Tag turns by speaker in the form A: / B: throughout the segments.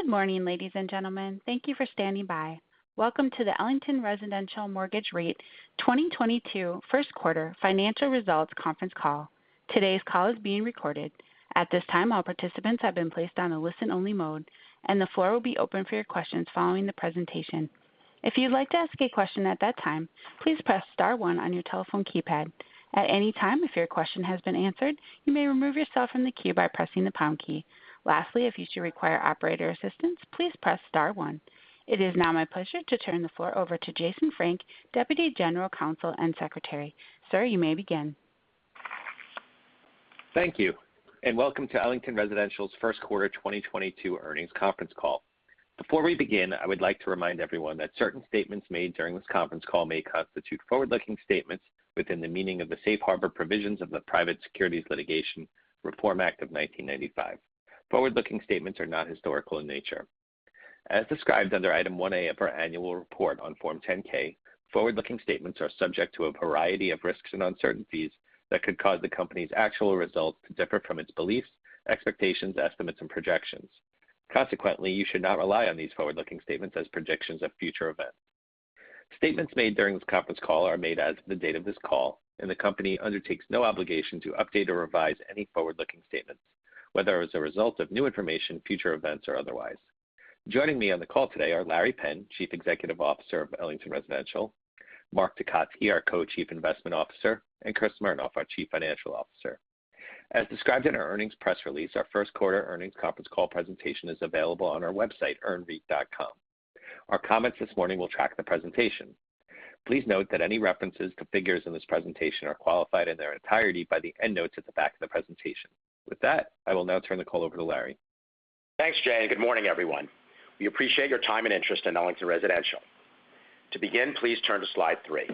A: Good morning, ladies and gentlemen. Thank you for standing by. Welcome to the Ellington Residential Mortgage REIT 2022 First Quarter Financial Results conference call. Today's call is being recorded. At this time, all participants have been placed on a listen-only mode, and the floor will be open for your questions following the presentation. If you'd like to ask a question at that time, please press star one on your telephone keypad. At any time, if your question has been answered, you may remove yourself from the queue by pressing the pound key. Lastly, if you should require operator assistance, please press star one. It is now my pleasure to turn the floor over to Jason Frank, Deputy General Counsel and Secretary. Sir, you may begin.
B: Thank you, and welcome to Ellington Residential's first quarter 2022 earnings conference call. Before we begin, I would like to remind everyone that certain statements made during this conference call may constitute forward-looking statements within the meaning of the Safe Harbor provisions of the Private Securities Litigation Reform Act of 1995. Forward-looking statements are not historical in nature. As described under Item 1A of our annual report on Form 10-K, forward-looking statements are subject to a variety of risks and uncertainties that could cause the company's actual results to differ from its beliefs, expectations, estimates, and projections. Consequently, you should not rely on these forward-looking statements as predictions of future events. Statements made during this conference call are made as of the date of this call, and the company undertakes no obligation to update or revise any forward-looking statements, whether as a result of new information, future events, or otherwise. Joining me on the call today are Laurence Penn, Chief Executive Officer of Ellington Residential, Mark Tecotzky, our Co-Chief Investment Officer, and Chris Smernoff, our Chief Financial Officer. As described in our earnings press release, our first quarter earnings conference call presentation is available on our website, earnreit.com. Our comments this morning will track the presentation. Please note that any references to figures in this presentation are qualified in their entirety by the endnotes at the back of the presentation. With that, I will now turn the call over to Laurence.
C: Thanks, Jay, and good morning, everyone. We appreciate your time and interest in Ellington Residential. To begin, please turn to slide three.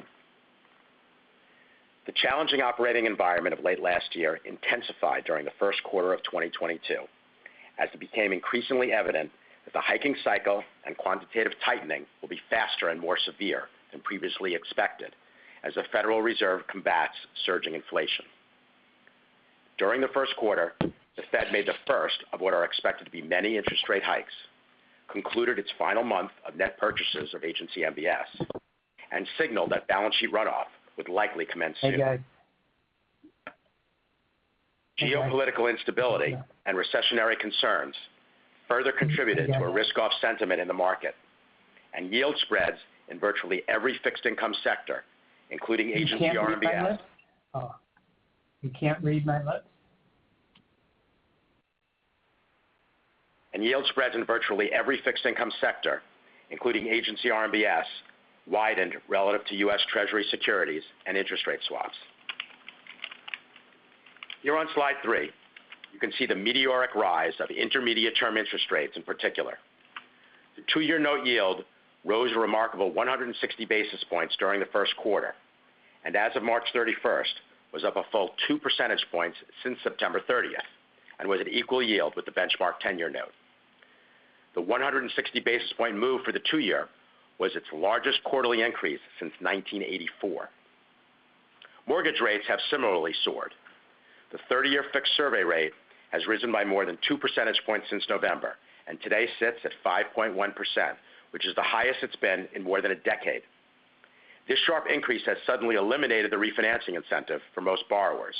C: The challenging operating environment of late last year intensified during the first quarter of 2022 as it became increasingly evident that the hiking cycle and quantitative tightening will be faster and more severe than previously expected as the Federal Reserve combats surging inflation. During the first quarter, the Fed made the first of what are expected to be many interest rate hikes, concluded its final month of net purchases of agency MBS, and signaled that balance sheet runoff would likely commence soon. Geopolitical instability and recessionary concerns further contributed to a risk-off sentiment in the market and yield spreads in virtually every fixed income sector, including agency RMBS.
D: You can't read my lips? Oh. You can't read my lips?
C: Yield spreads in virtually every fixed income sector, including agency RMBS, widened relative to U.S. Treasury securities and interest rate swaps. Here on slide three, you can see the meteoric rise of intermediate-term interest rates in particular. The two-year note yield rose a remarkable 160 basis points during the first quarter, and as of March 31st, was up a full two percentage points since September 30th and was at equal yield with the benchmark 10-year note. The 160 basis point move for the two-year was its largest quarterly increase since 1984. Mortgage rates have similarly soared. The 30-year fixed survey rate has risen by more than two percentage points since November, and today sits at 5.1%, which is the highest it's been in more than a decade. This sharp increase has suddenly eliminated the refinancing incentive for most borrowers,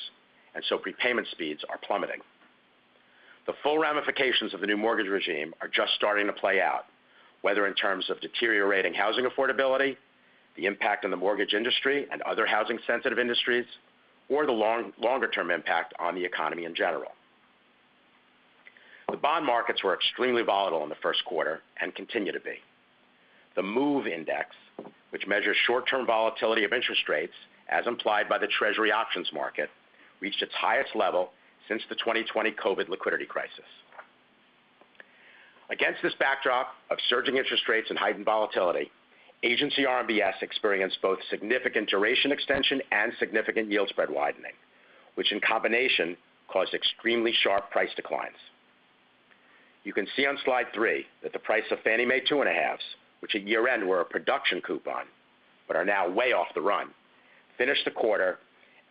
C: and so prepayment speeds are plummeting. The full ramifications of the new mortgage regime are just starting to play out, whether in terms of deteriorating housing affordability, the impact on the mortgage industry and other housing-sensitive industries, or the long, longer-term impact on the economy in general. The bond markets were extremely volatile in the first quarter and continue to be. The MOVE Index, which measures short-term volatility of interest rates as implied by the Treasury options market, reached its highest level since the 2020 COVID liquidity crisis. Against this backdrop of surging interest rates and heightened volatility, Agency RMBS experienced both significant duration extension and significant yield spread widening, which in combination caused extremely sharp price declines. You can see on slide three that the price of Fannie Mae 2.5s, which at year-end were a production coupon but are now way off the run, finished the quarter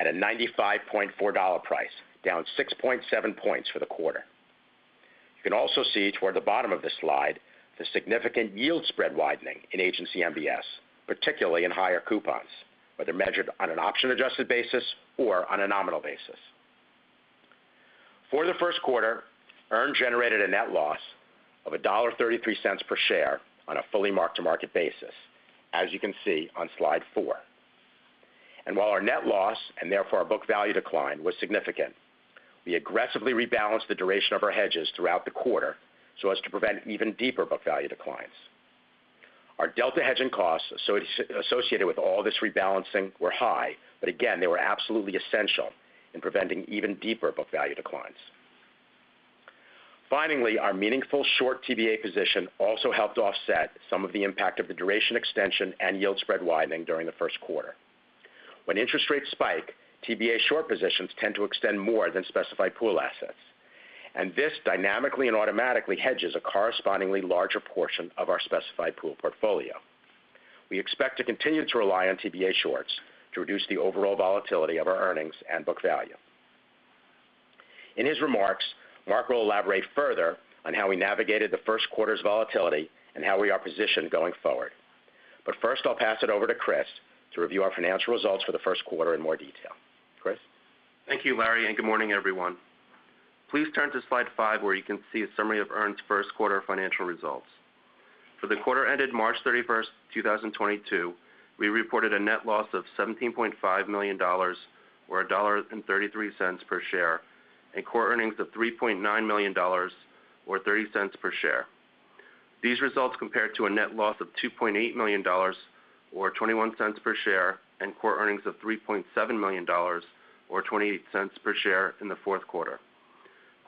C: at a $95.4 price, down 6.7 points for the quarter. You can also see toward the bottom of this slide the significant yield spread widening in Agency MBS, particularly in higher coupons, whether measured on an option-adjusted basis or on a nominal basis. For the first quarter, EARN generated a net loss of $1.33 per share on a fully mark-to-market basis, as you can see on slide four. While our net loss, and therefore our book value decline, was significant, we aggressively rebalanced the duration of our hedges throughout the quarter so as to prevent even deeper book value declines. Our delta hedging costs associated with all this rebalancing were high, but again, they were absolutely essential in preventing even deeper book value declines. Finally, our meaningful short TBA position also helped offset some of the impact of the duration extension and yield spread widening during the first quarter. When interest rates spike, TBA short positions tend to extend more than specified pool assets, and this dynamically and automatically hedges a correspondingly larger portion of our specified pool portfolio. We expect to continue to rely on TBA shorts to reduce the overall volatility of our earnings and book value. In his remarks, Mark will elaborate further on how we navigated the first quarter's volatility and how we are positioned going forward. First, I'll pass it over to Chris to review our financial results for the first quarter in more detail. Chris?
E: Thank you, Larry, and good morning, everyone. Please turn to slide five, where you can see a summary of EARN's first quarter financial results. For the quarter ended March 31st, 2022, we reported a net loss of $17.5 million or $1.33 per share, and core earnings of $3.9 million or $0.03 per share. These results compare to a net loss of $2.8 million or $0.21 per share, and core earnings of $3.7 million or $0.28 per share in the fourth quarter.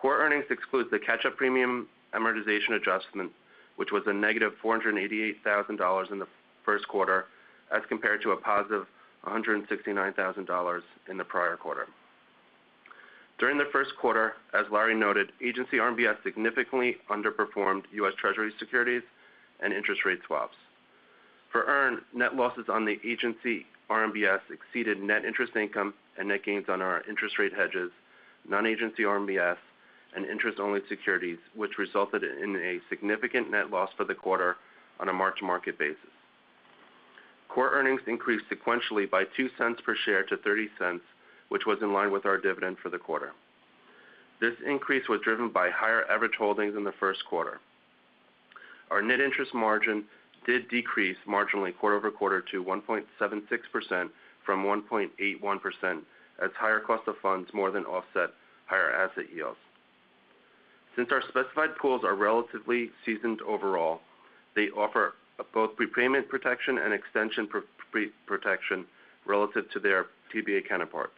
E: Core earnings excludes the catch-up premium amortization adjustment, which was a negative $488,000 in the first quarter as compared to a positive $169,000 in the prior quarter. During the first quarter, as Larry noted, Agency RMBS significantly underperformed U.S. Treasury securities and interest rate swaps. For EARN, net losses on the agency RMBS exceeded net interest income and net gains on our interest rate hedges, non-agency RMBS, and interest-only securities, which resulted in a significant net loss for the quarter on a mark-to-market basis. Core Earnings increased sequentially by $0.02 per share to $0.30, which was in line with our dividend for the quarter. This increase was driven by higher average holdings in the first quarter. Our net interest margin did decrease marginally quarter-over-quarter to 1.76% from 1.81% as higher cost of funds more than offset higher asset yields. Since our specified pools are relatively seasoned overall, they offer both prepayment and extension protection relative to their TBA counterparts,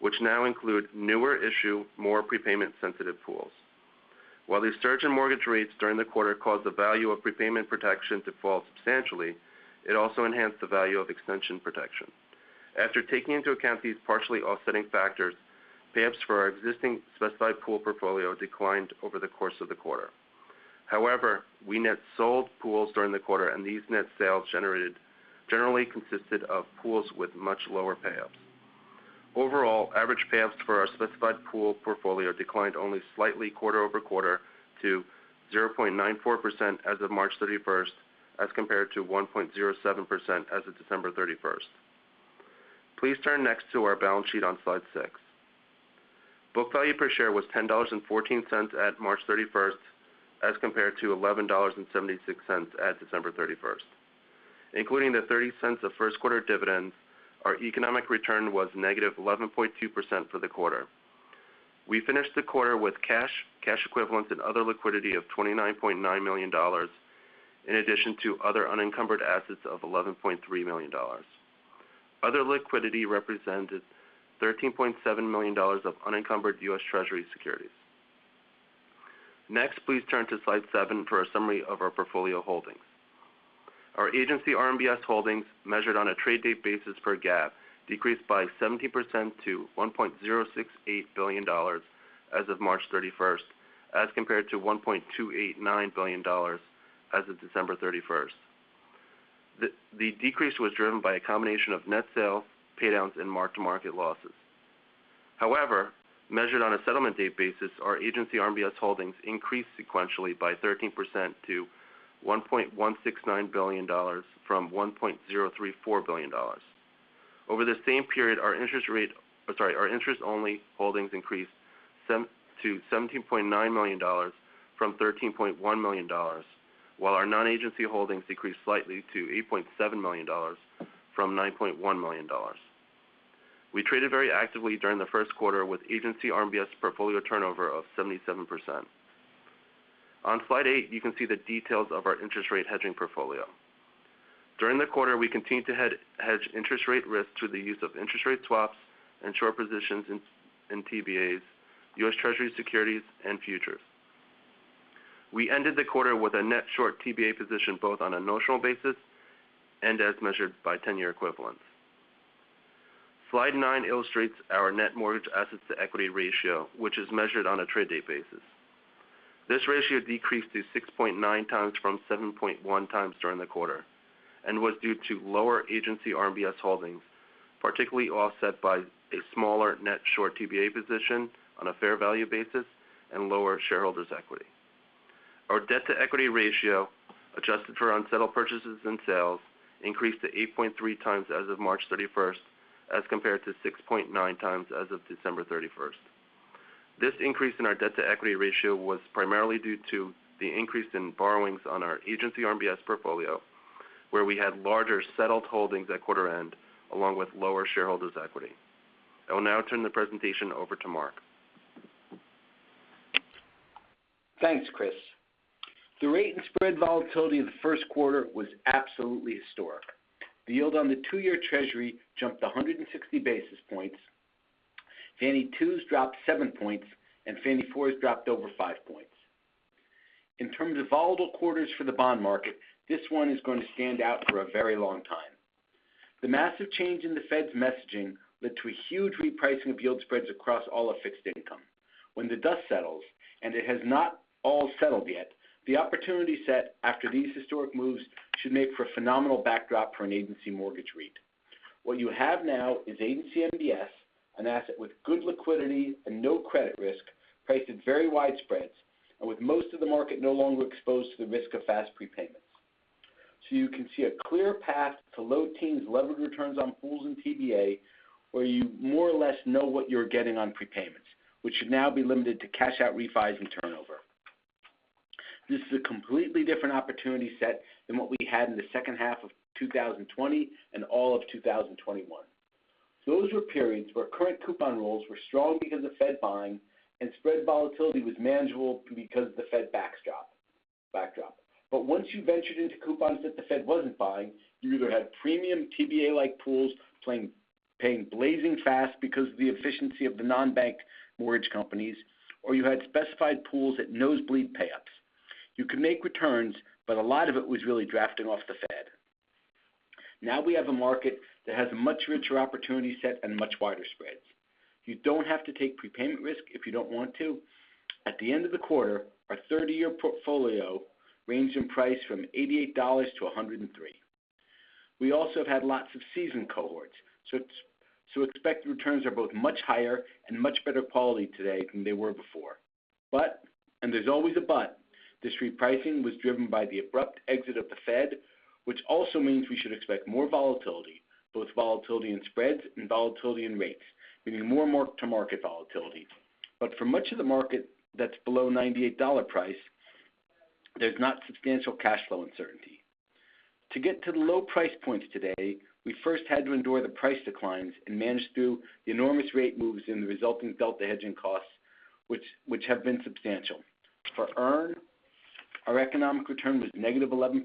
E: which now include newer issue, more prepayment-sensitive pools. While the surge in mortgage rates during the quarter caused the value of prepayment protection to fall substantially, it also enhanced the value of extension protection. After taking into account these partially offsetting factors, payups for our existing specified pool portfolio declined over the course of the quarter. However, we net sold pools during the quarter, and these net sales generally consisted of pools with much lower payups. Overall, average payups for our specified pool portfolio declined only slightly quarter-over-quarter to 0.94% as of March 31st as compared to 1.07% as of December 31st. Please turn next to our balance sheet on slide six. Book value per share was $10.14 at March 31st as compared to $11.76 at December 31st. Including the $0.30 of first quarter dividends, our economic return was -11.2% for the quarter. We finished the quarter with cash equivalents, and other liquidity of $29.9 million, in addition to other unencumbered assets of $11.3 million. Other liquidity represented $13.7 million of unencumbered U.S. Treasury securities. Next, please turn to slide seven for a summary of our portfolio holdings. Our agency RMBS holdings, measured on a trade date basis per GAAP, decreased by 70% to $1.068 billion as of March 31st, as compared to $1.289 billion as of December 31st. The decrease was driven by a combination of net sales, paydowns, and mark-to-market losses. However, measured on a settlement date basis, our Agency RMBS holdings increased sequentially by 13% to $1.169 billion from $1.034 billion. Over the same period, our interest only holdings increased to $17.9 million from $13.1 million, while our non-agency holdings decreased slightly to $8.7 million from $9.1 million. We traded very actively during the first quarter with Agency RMBS portfolio turnover of 77%. On slide eight, you can see the details of our interest rate hedging portfolio. During the quarter, we continued to hedge interest rate risks through the use of interest rate swaps and short positions in TBAs, U.S. Treasury securities, and futures. We ended the quarter with a net short TBA position, both on a notional basis and as measured by 10-year equivalents. Slide nine illustrates our net mortgage assets-to-equity ratio, which is measured on a trade date basis. This ratio decreased to 6.9x from 7.1x during the quarter and was due to lower agency RMBS holdings, partially offset by a smaller net short TBA position on a fair value basis and lower shareholders' equity. Our debt-to-equity ratio, adjusted for unsettled purchases and sales, increased to 8.3x as of March 31st, as compared to 6.9x as of December 31st. This increase in our debt-to-equity ratio was primarily due to the increase in borrowings on our agency RMBS portfolio, where we had larger settled holdings at quarter end, along with lower shareholders' equity. I will now turn the presentation over to Mark.
F: Thanks, Chris. The rate and spread volatility in the first quarter was absolutely historic. The yield on the two-year Treasury jumped 160 basis points. Fannie twos dropped seven points, and Fannie fours dropped over five points. In terms of volatile quarters for the bond market, this one is going to stand out for a very long time. The massive change in the Fed's messaging led to a huge repricing of yield spreads across all of fixed income. When the dust settles, and it has not all settled yet, the opportunity set after these historic moves should make for a phenomenal backdrop for an Agency mortgage REIT. What you have now is Agency MBS, an asset with good liquidity and no credit risk, priced at very wide spreads, and with most of the market no longer exposed to the risk of fast prepayments. You can see a clear path to low teens levered returns on pools and TBA, where you more or less know what you're getting on prepayments, which should now be limited to cash out refis and turnover. This is a completely different opportunity set than what we had in the second half of 2020 and all of 2021. Those were periods where current coupon rolls were strong because of Fed buying and spread volatility was manageable because of the Fed backdrop. Once you ventured into coupons that the Fed wasn't buying, you either had premium TBA-like pools paying blazing fast because of the efficiency of the non-bank mortgage companies, or you had specified pools at nosebleed payups. You could make returns, but a lot of it was really drafting off the Fed. Now we have a market that has a much richer opportunity set and much wider spreads. You don't have to take prepayment risk if you don't want to. At the end of the quarter, our 30-year portfolio ranged in price from $88-$103. We also have had lots of seasoned cohorts, expected returns are both much higher and much better quality today than they were before. And there's always a but, this repricing was driven by the abrupt exit of the Fed, which also means we should expect more volatility, both volatility in spreads and volatility in rates, meaning more mark-to-market volatility. For much of the market that's below $98 price, there's not substantial cash flow uncertainty. To get to the low price points today, we first had to endure the price declines and manage through the enormous rate moves and the resulting delta hedging costs which have been substantial. For EARN, our economic return was -11%.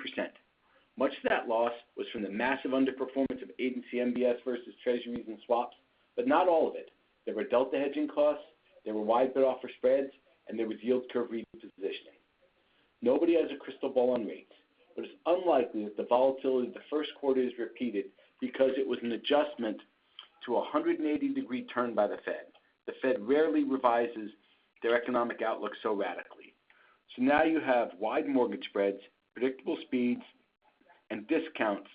F: Much of that loss was from the massive underperformance of Agency MBS versus Treasuries and swaps, but not all of it. There were delta hedging costs, there were wide bid-offer spreads, and there was yield curve repositioning. Nobody has a crystal ball on rates, but it's unlikely that the volatility of the first quarter is repeated because it was an adjustment to a 180-degree turn by the Fed. The Fed rarely revises their economic outlook so radically. Now you have wide mortgage spreads, predictable speeds and discounts.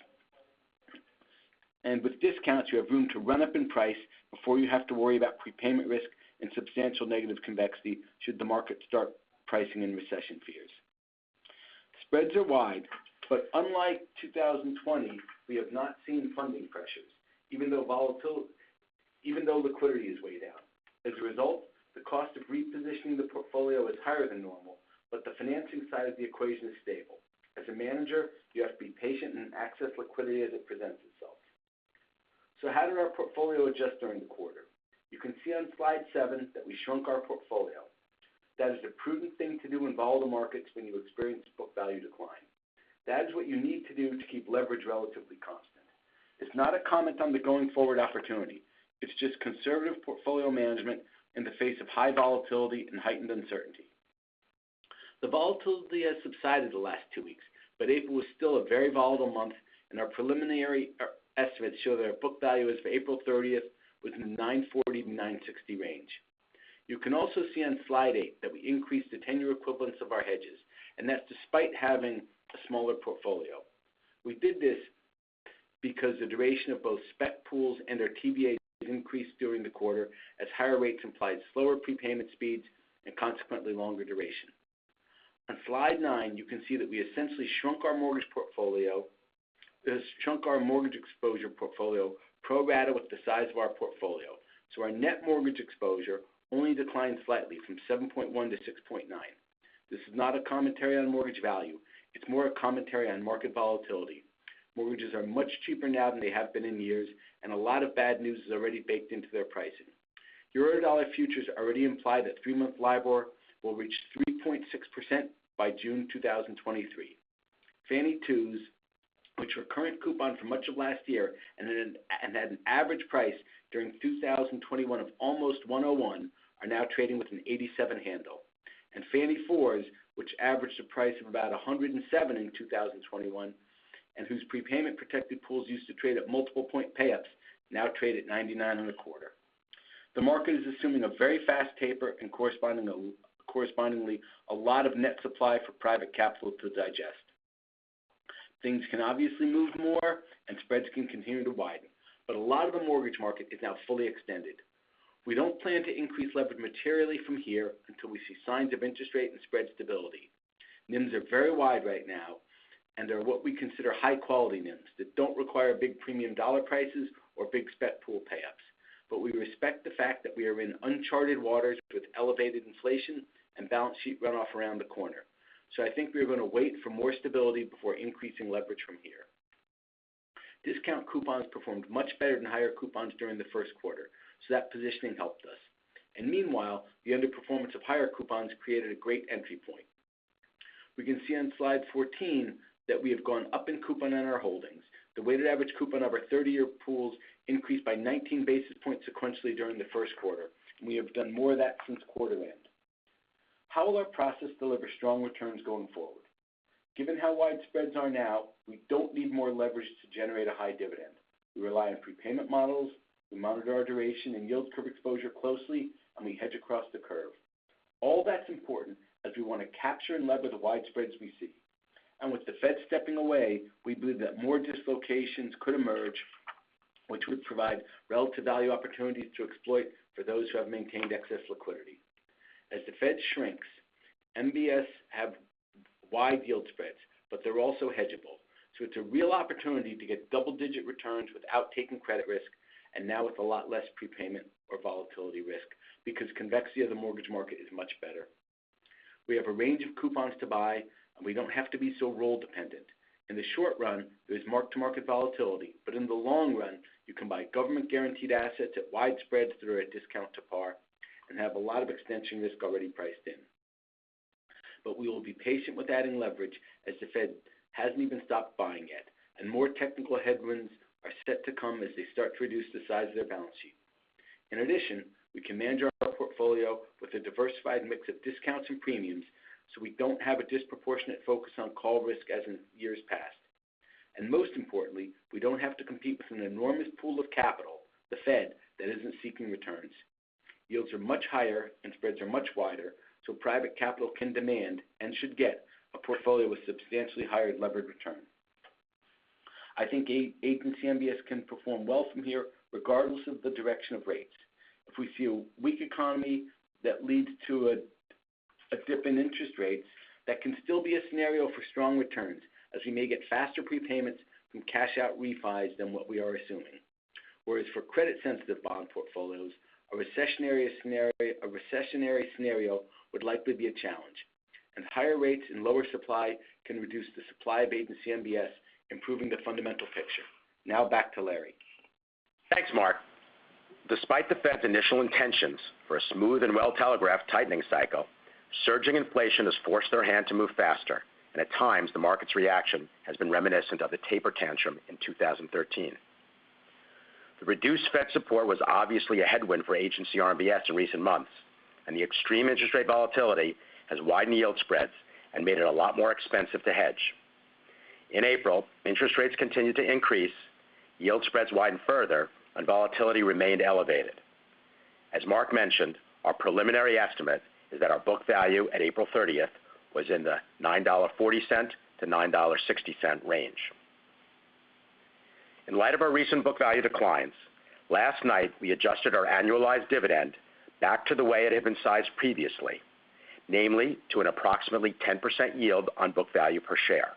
F: And with discounts, you have room to run up in price before you have to worry about prepayment risk and substantial negative convexity should the market start pricing in recession fears. Spreads are wide, but unlike 2020, we have not seen funding pressures, even though liquidity is way down. As a result, the cost of repositioning the portfolio is higher than normal, but the financing side of the equation is stable. As a manager, you have to be patient and access liquidity as it presents itself. How did our portfolio adjust during the quarter? You can see on slide seven that we shrunk our portfolio. That is the prudent thing to do in volatile markets when you experience book value decline. That is what you need to do to keep leverage relatively constant. It's not a comment on the going forward opportunity. It's just conservative portfolio management in the face of high volatility and heightened uncertainty. The volatility has subsided the last two weeks, but April was still a very volatile month, and our preliminary estimates show that our book value as of April 30th was in the $9.40-$9.60 range. You can also see on slide eight that we increased the 10-year equivalents of our hedges, and that's despite having a smaller portfolio. We did this because the duration of both spec pools and their TBAs increased during the quarter as higher rates implied slower prepayment speeds and consequently longer duration. On slide nine, you can see that we essentially shrunk our mortgage exposure portfolio pro rata with the size of our portfolio. Our net mortgage exposure only declined slightly from 7.1 to 6.9. This is not a commentary on mortgage value. It's more a commentary on market volatility. Mortgages are much cheaper now than they have been in years, and a lot of bad news is already baked into their pricing. Eurodollar futures already imply that three-month LIBOR will reach 3.6% by June 2023. Fannie twos, which were current coupon for much of last year and had an average price during 2021 of almost 101, are now trading with an 87 handle. Fannie fours, which averaged a price of about 107 in 2021, and whose prepayment protected pools used to trade at multiple point payups, now trade at 99.25. The market is assuming a very fast taper and correspondingly a lot of net supply for private capital to digest. Things can obviously move more and spreads can continue to widen, but a lot of the mortgage market is now fully extended. We don't plan to increase leverage materially from here until we see signs of interest rate and spread stability. NIMS are very wide right now, and they're what we consider high quality NIMS that don't require big premium dollar prices or big spec pool payups. We respect the fact that we are in uncharted waters with elevated inflation and balance sheet runoff around the corner. I think we are going to wait for more stability before increasing leverage from here. Discount coupons performed much better than higher coupons during the first quarter, so that positioning helped us. Meanwhile, the underperformance of higher coupons created a great entry point. We can see on slide 14 that we have gone up in coupon on our holdings. The weighted average coupon of our 30-year pools increased by 19 basis points sequentially during the first quarter. We have done more of that since quarter end. How will our process deliver strong returns going forward? Given how wide spreads are now, we don't need more leverage to generate a high dividend. We rely on prepayment models, we monitor our duration and yield curve exposure closely, and we hedge across the curve. All that's important as we want to capture and leverage the wide spreads we see. With the Fed stepping away, we believe that more dislocations could emerge, which would provide relative value opportunities to exploit for those who have maintained excess liquidity. As the Fed shrinks, MBS have wide yield spreads, but they're also hedgeable. It's a real opportunity to get double-digit returns without taking credit risk, and now with a lot less prepayment or volatility risk because convexity of the mortgage market is much better. We have a range of coupons to buy, and we don't have to be so roll dependent. In the short run, there's mark-to-market volatility, but in the long run, you can buy government-guaranteed assets at wide spreads at a discount to par and have a lot of extension risk already priced in. We will be patient with adding leverage as the Fed hasn't even stopped buying yet, and more technical headwinds are set to come as they start to reduce the size of their balance sheet. In addition, we can manage our portfolio with a diversified mix of discounts and premiums, so we don't have a disproportionate focus on call risk as in years past. Most importantly, we don't have to compete with an enormous pool of capital, the Fed, that isn't seeking returns. Yields are much higher and spreads are much wider, so private capital can demand and should get a portfolio with substantially higher levered return. I think Agency MBS can perform well from here regardless of the direction of rates. If we see a weak economy that leads to a dip in interest rates, that can still be a scenario for strong returns, as we may get faster prepayments from cash out refis than what we are assuming. Whereas for credit-sensitive bond portfolios, a recessionary scenario would likely be a challenge. Higher rates and lower supply can reduce the supply of Agency MBS, improving the fundamental picture. Now back to Larry.
C: Thanks, Mark. Despite the Fed's initial intentions for a smooth and well-telegraphed tightening cycle, surging inflation has forced their hand to move faster. At times, the market's reaction has been reminiscent of the taper tantrum in 2013. The reduced Fed support was obviously a headwind for Agency RMBS in recent months, and the extreme interest rate volatility has widened yield spreads and made it a lot more expensive to hedge. In April, interest rates continued to increase, yield spreads widened further, and volatility remained elevated. As Mark mentioned, our preliminary estimate is that our book value at April 30th was in the $9.40-$9.60 range. In light of our recent book value declines, last night we adjusted our annualized dividend back to the way it had been sized previously, namely to an approximately 10% yield on book value per share.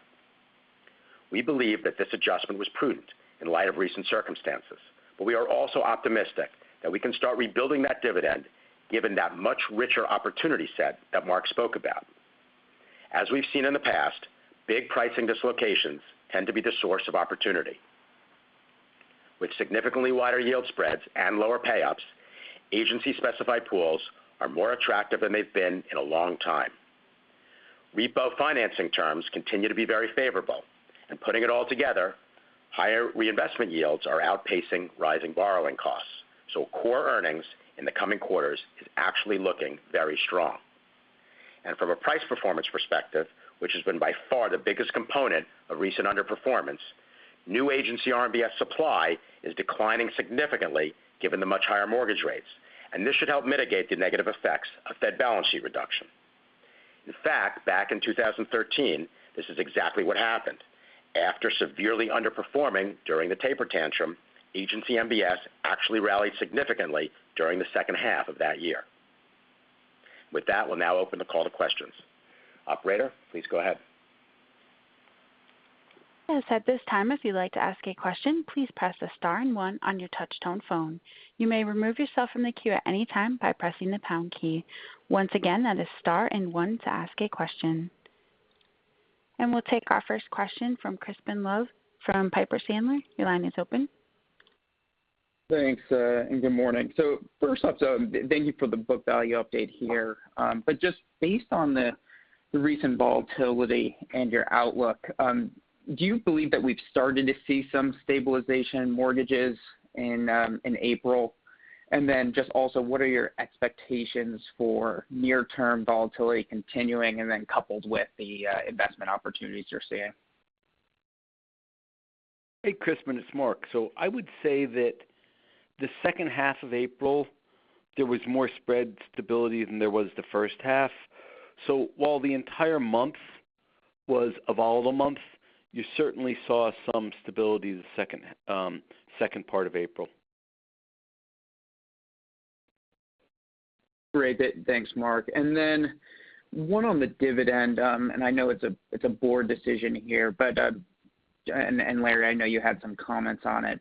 C: We believe that this adjustment was prudent in light of recent circumstances, but we are also optimistic that we can start rebuilding that dividend given that much richer opportunity set that Mark spoke about. As we've seen in the past, big pricing dislocations tend to be the source of opportunity. With significantly wider yield spreads and lower payups, Agency specified pools are more attractive than they've been in a long time. Repo financing terms continue to be very favorable, and putting it all together, higher reinvestment yields are outpacing rising borrowing costs. Core Earnings in the coming quarters is actually looking very strong. From a price performance perspective, which has been by far the biggest component of recent underperformance, new Agency RMBS supply is declining significantly given the much higher mortgage rates. This should help mitigate the negative effects of Fed balance sheet reduction. In fact, back in 2013, this is exactly what happened. After severely underperforming during the taper tantrum, Agency MBS actually rallied significantly during the second half of that year. With that, we'll now open the call to questions. Operator, please go ahead.
A: Yes, at this time, if you'd like to ask a question, please press star and one on your touch tone phone. You may remove yourself from the queue at any time by pressing the pound key. Once again, that is star and one to ask a question. We'll take our first question from Crispin Love from Piper Sandler. Your line is open.
G: Thanks, and good morning. First up, thank you for the book value update here. But just based on the recent volatility and your outlook, do you believe that we've started to see some stabilization in mortgages in April? Just also, what are your expectations for near-term volatility continuing and then coupled with the investment opportunities you're seeing?
F: Hey, Crispin, it's Mark. I would say that the second half of April, there was more spread stability than there was the first half. While the entire month was a volatile month, you certainly saw some stability the second half, second part of April.
G: Great. Thanks, Mark. Then one on the dividend, and I know it's a board decision here, but Larry, I know you had some comments on it.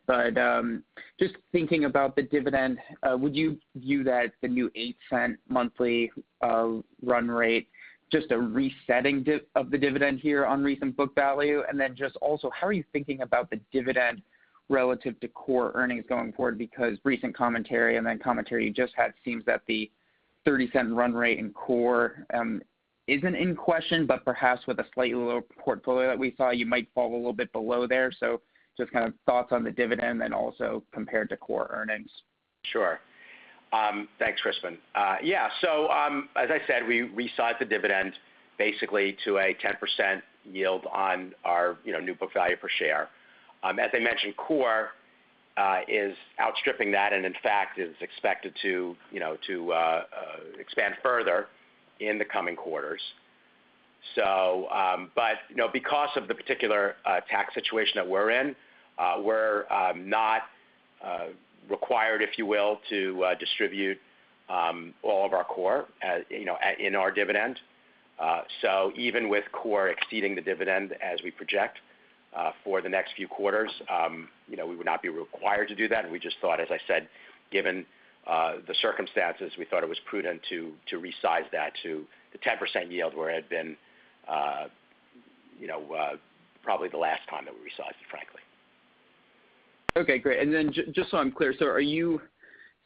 G: Just thinking about the dividend, would you view that the new $0.08 monthly run rate just a resetting of the dividend here on recent book value? Then also, how are you thinking about the dividend relative to Core Earnings going forward? Recent commentary and then commentary you just had seems that the $0.30 run rate in Core Earnings isn't in question, but perhaps with a slightly lower portfolio that we saw, you might fall a little bit below there. Just kind of thoughts on the dividend and also compared to Core Earnings.
C: Sure. Thanks, Crispin. Yeah. As I said, we resized the dividend basically to a 10% yield on our, you know, new book value per share. As I mentioned, Core is outstripping that and in fact is expected to, you know, to expand further in the coming quarters. You know, because of the particular tax situation that we're in, we're not required, if you will, to distribute all of our Core, you know, in our dividend. Even with Core exceeding the dividend as we project for the next few quarters, you know, we would not be required to do that.
F: We just thought, as I said, given the circumstances, we thought it was prudent to resize that to the 10% yield, where it had been, you know, probably the last time that we resized it, frankly.
G: Okay, great. Just so I'm clear. Are you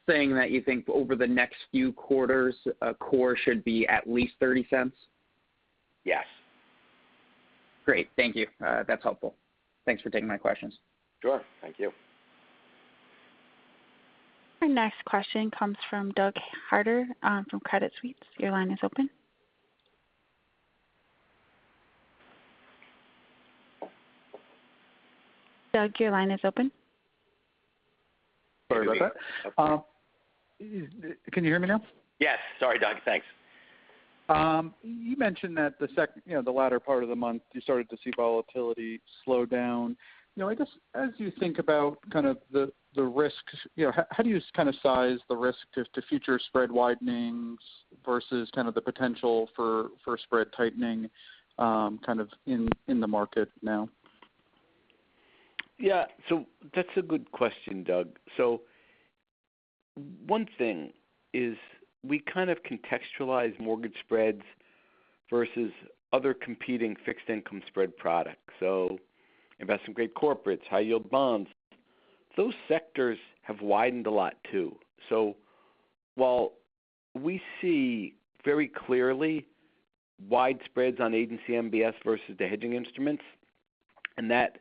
G: saying that you think over the next few quarters, core should be at least $0.30?
C: Yes.
G: Great. Thank you. That's helpful. Thanks for taking my questions.
F: Sure. Thank you.
A: Our next question comes from Douglas Harter, from Credit Suisse. Your line is open. Doug, your line is open.
H: Sorry about that.
F: Okay.
H: Can you hear me now?
F: Yes. Sorry, Doug. Thanks.
H: You mentioned that, you know, the latter part of the month, you started to see volatility slow down. You know, I guess, as you think about kind of the risks, you know, how do you kind of size the risk to future spread widenings versus kind of the potential for spread tightening, kind of in the market now?
F: Yeah. That's a good question, Doug. One thing is we kind of contextualize mortgage spreads versus other competing fixed income spread products. Investment-grade corporates, high-yield bonds. Those sectors have widened a lot too. While we see very clearly wide spreads on agency MBS versus the hedging instruments, and that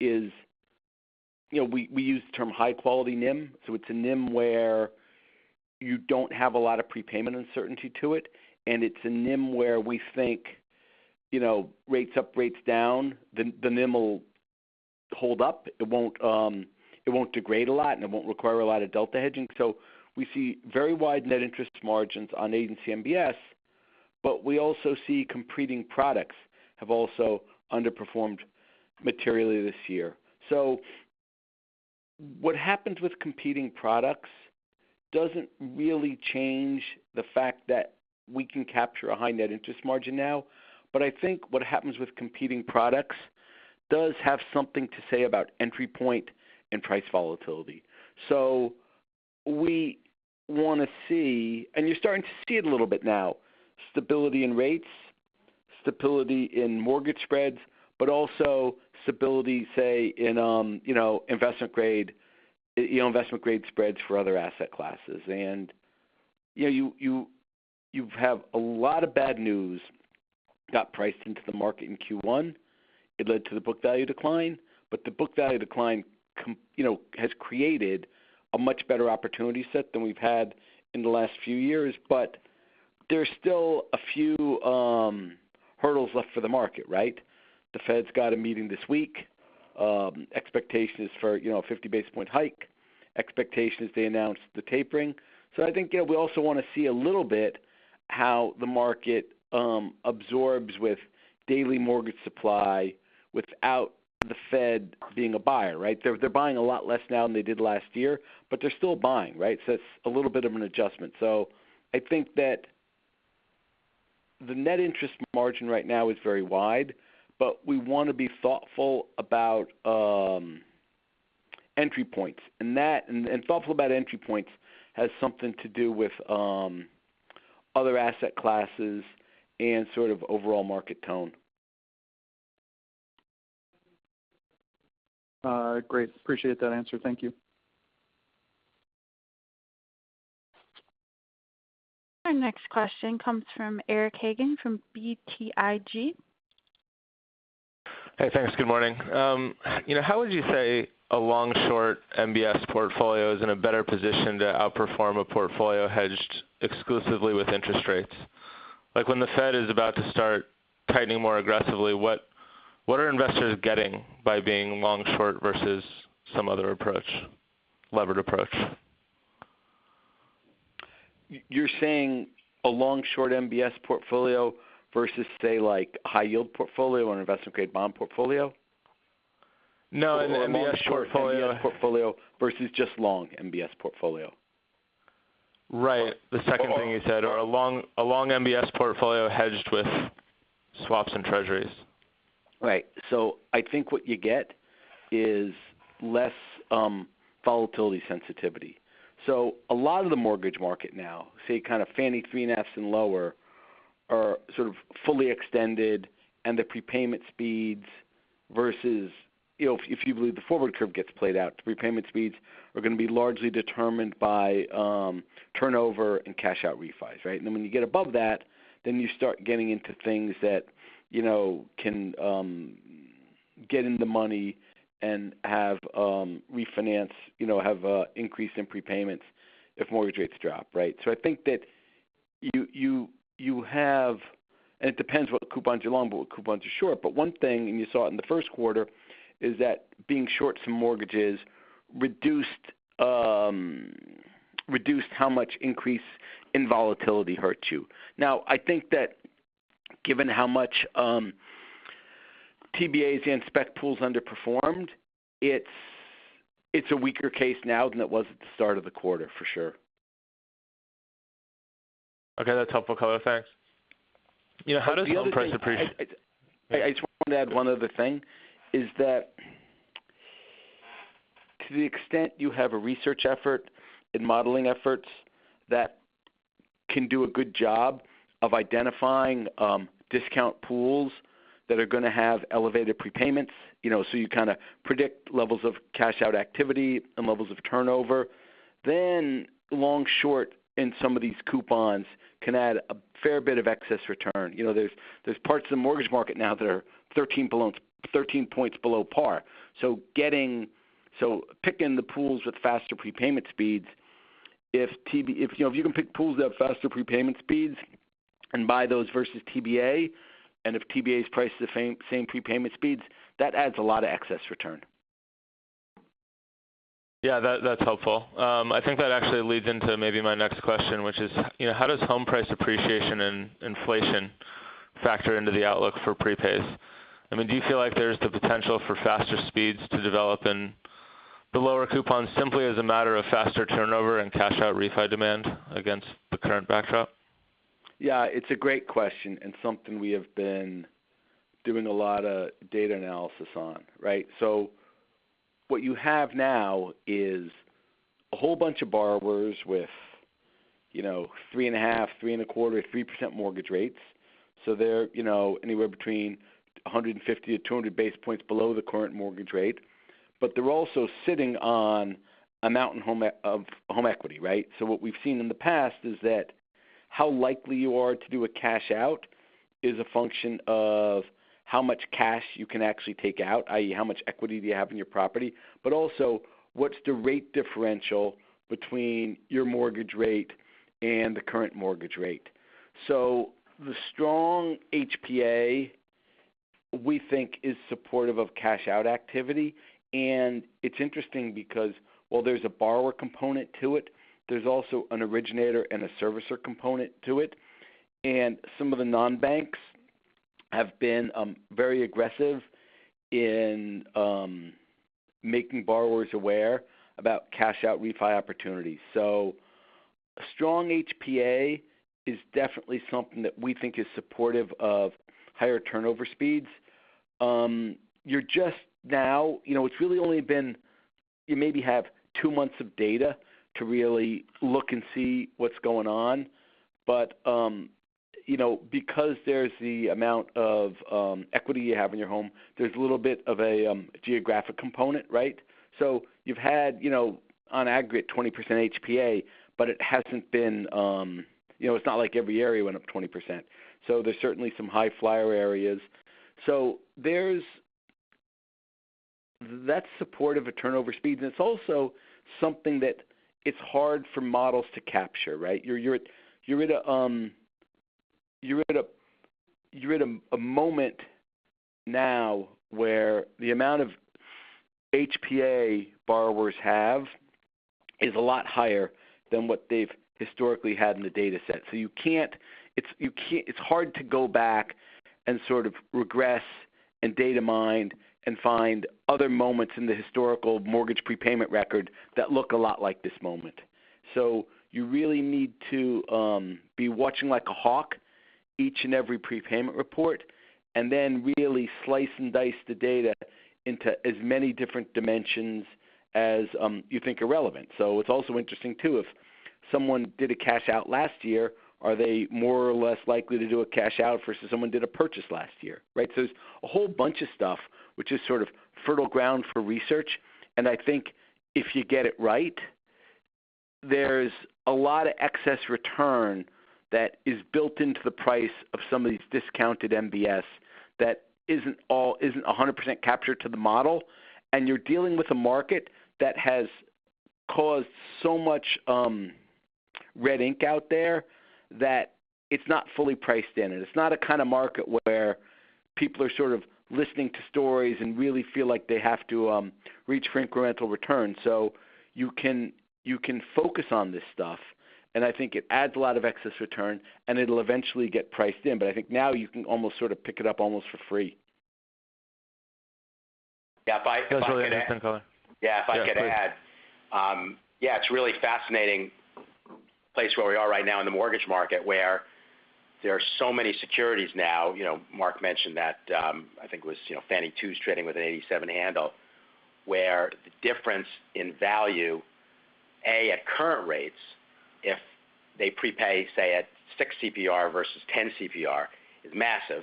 F: is. You know, we use the term high quality NIM. It's a NIM where you don't have a lot of prepayment uncertainty to it. And it's a NIM where we think, you know, rates up, rates down, the NIM will hold up. It won't degrade a lot, and it won't require a lot of delta hedging. We see very wide net interest margins on agency MBS, but we also see competing products have also underperformed materially this year. What happens with competing products doesn't really change the fact that we can capture a high net interest margin now. I think what happens with competing products does have something to say about entry point and price volatility. We wanna see, and you're starting to see it a little bit now, stability in rates, stability in mortgage spreads, but also stability, say, in, you know, investment grade, you know, investment grade spreads for other asset classes. You know, you have a lot of bad news got priced into the market in Q1. It led to the book value decline. The book value decline you know, has created a much better opportunity set than we've had in the last few years. There's still a few hurdles left for the market, right? The Fed's got a meeting this week. Expectations for, you know, a 50 basis point hike. Expectations they announce the tapering. I think, yeah, we also wanna see a little bit how the market absorbs with daily mortgage supply without the Fed being a buyer, right? They're buying a lot less now than they did last year, but they're still buying, right? It's a little bit of an adjustment. I think that the net interest margin right now is very wide, but we wanna be thoughtful about entry points. Thoughtful about entry points has something to do with other asset classes and sort of overall market tone.
H: Great. Appreciate that answer. Thank you.
A: Our next question comes from Eric Hagen from BTIG.
I: Hey, thanks. Good morning. You know, how would you say a long-short MBS portfolio is in a better position to outperform a portfolio hedged exclusively with interest rates? Like when the Fed is about to start tightening more aggressively, what are investors getting by being long-short versus some other approach, levered approach?
F: You're saying a long-short MBS portfolio versus, say, like high-yield portfolio or an investment-grade bond portfolio?
I: No, an MBS portfolio.
F: long-short MBS portfolio versus just long MBS portfolio?
I: Right. The second thing you said, or a long MBS portfolio hedged with swaps and Treasuries.
F: Right. I think what you get is less volatility sensitivity. A lot of the mortgage market now, say kind of Fannie twos and lower, are sort of fully extended, and the prepayment speeds versus if you believe the forward curve gets played out, the prepayment speeds are gonna be largely determined by turnover and cash-out refis, right? When you get above that, you start getting into things that you know can get in the money and have refinance have a increase in prepayments if mortgage rates drop, right? I think that you have. It depends what coupons you're long, what coupons you're short. One thing, and you saw it in the first quarter, is that being short some mortgages reduced how much increase in volatility hurts you. Now, I think that given how much TBAs and spec pools underperformed, it's a weaker case now than it was at the start of the quarter, for sure.
I: Okay. That's helpful color, thanks. You know, how does home price appreciate?
F: The other thing I just want to add one other thing, is that to the extent you have a research effort and modeling efforts that can do a good job of identifying, discount pools that are gonna have elevated prepayments, you know, so you kinda predict levels of cash out activity and levels of turnover, then long short in some of these coupons can add a fair bit of excess return. You know, there are parts of the mortgage market now that are 13 points below par. So picking the pools with faster prepayment speeds, if you know, if you can pick pools that have faster prepayment speeds and buy those versus TBA, and if TBA's priced the same prepayment speeds, that adds a lot of excess return.
I: Yeah. That's helpful. I think that actually leads into maybe my next question, which is, you know, how does home price appreciation and inflation factor into the outlook for prepays? I mean, do you feel like there's the potential for faster speeds to develop in the lower coupons simply as a matter of faster turnover and cash out refi demand against the current backdrop?
F: Yeah. It's a great question, and something we have been doing a lot of data analysis on, right? What you have now is a whole bunch of borrowers with, you know, 3.5, 3.25, 3% mortgage rates. They're, you know, anywhere between 150 to 200 basis points below the current mortgage rate. They're also sitting on a mountain of home equity, right? What we've seen in the past is that how likely you are to do a cash out is a function of how much cash you can actually take out, i.e., how much equity do you have in your property, but also what's the rate differential between your mortgage rate and the current mortgage rate. The strong HPA, we think, is supportive of cash out activity. It's interesting because while there's a borrower component to it, there's also an originator and a servicer component to it. Some of the non-banks have been very aggressive in making borrowers aware about cash out refi opportunities. A strong HPA is definitely something that we think is supportive of higher turnover speeds. You're just now. You know, it's really only been. You maybe have two months of data to really look and see what's going on. You know, because there's the amount of equity you have in your home, there's a little bit of a geographic component, right? You've had, you know, on aggregate, 20% HPA, but it hasn't been, you know, it's not like every area went up 20%. There's certainly some high flyer areas. That's supportive of turnover speeds, and it's also something that it's hard for models to capture, right? You're at a moment now where the amount of HPA borrowers have is a lot higher than what they've historically had in the dataset. It's hard to go back and sort of regress and data mine and find other moments in the historical mortgage prepayment record that look a lot like this moment. You really need to be watching like a hawk each and every prepayment report, and then really slice and dice the data into as many different dimensions as you think are relevant. It's also interesting too, if someone did a cash out last year, are they more or less likely to do a cash out versus someone who did a purchase last year, right? There's a whole bunch of stuff which is sort of fertile ground for research, and I think if you get it right, there's a lot of excess return that is built into the price of some of these discounted MBS that isn't 100% captured to the model. You're dealing with a market that has caused so much red ink out there that it's not fully priced in. It's not a kind of market where people are sort of listening to stories and really feel like they have to reach for incremental returns. You can focus on this stuff, and I think it adds a lot of excess return, and it'll eventually get priced in. I think now you can almost sort of pick it up almost for free.
C: Yeah. If I can add.
I: That was really interesting, Color.
C: Yeah. If I could add.
I: Yeah, please.
C: Yeah, it's a really fascinating place where we are right now in the mortgage market where there are so many securities now. You know, Mark mentioned that. I think it was, you know, Fannie twos trading with an 87 handle, where the difference in value at current rates, if they prepay, say at six CPR versus 10 CPR, is massive.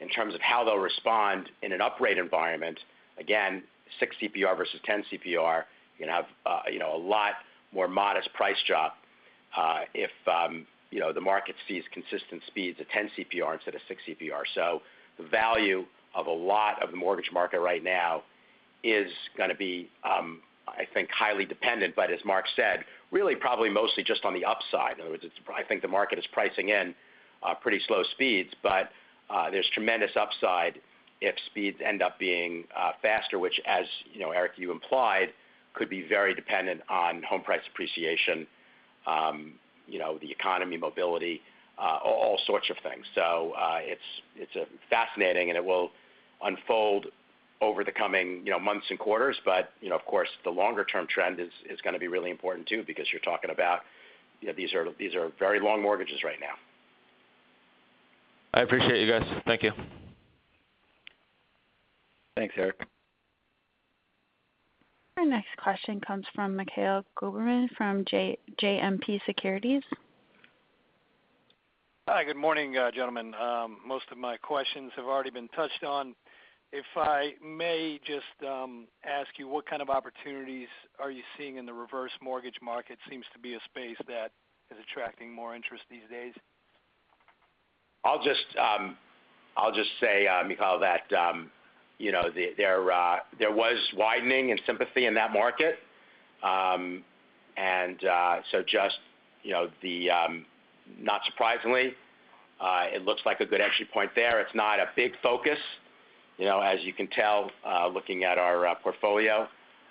C: In terms of how they'll respond in a higher-rate environment, again, six CPR versus 10 CPR, you're gonna have, you know, a lot more modest price drop if the market sees consistent speeds of 10 CPR instead of six CPR. The value of a lot of the mortgage market right now is gonna be, I think, highly dependent. As Mark said, really, probably mostly just on the upside. In other words, I think the market is pricing in pretty slow speeds, but there's tremendous upside if speeds end up being faster, which as you know, Eric, you implied, could be very dependent on home price appreciation, you know, economic mobility, all sorts of things. It's fascinating, and it will unfold over the coming, you know, months and quarters. Of course, the longer-term trend is gonna be really important too, because you're talking about, you know, these are very long mortgages right now.
I: I appreciate you guys. Thank you.
C: Thanks, Eric.
A: Our next question comes from Mikhail Goberman from JMP Securities.
J: Hi. Good morning, gentlemen. Most of my questions have already been touched on. If I may just ask you, what kind of opportunities are you seeing in the reverse mortgage market? Seems to be a space that is attracting more interest these days.
C: I'll just say, Mikhail, that you know, there was widening and sympathy in that market. Not surprisingly, it looks like a good entry point there. It's not a big focus, you know, as you can tell, looking at our portfolio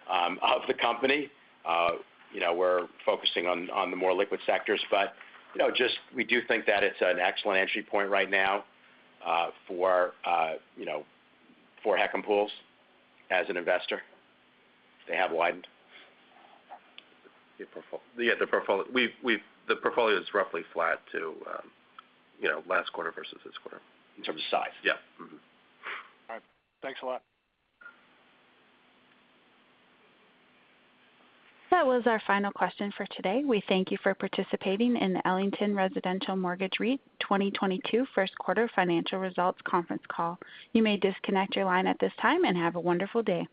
C: of the company. You know, we're focusing on the more liquid sectors. You know, just we do think that it's an excellent entry point right now, for you know, for HECM pools as an investor. They have widened.
E: The portfolio is roughly flat to, you know, last quarter versus this quarter.
C: In terms of size.
E: Yeah. Mm-hmm.
J: All right. Thanks a lot.
A: That was our final question for today. We thank you for participating in the Ellington Residential Mortgage REIT 2022 first quarter financial results conference call. You may disconnect your line at this time, and have a wonderful day.